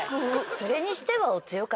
それにしては。